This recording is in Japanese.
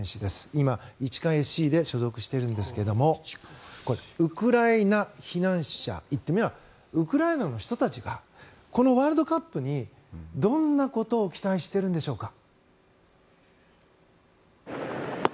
今、市川ＳＣに所属しているんですがウクライナ避難者言ってみればウクライナの人たちがこのワールドカップにどんなことを期待しているんでしょうか。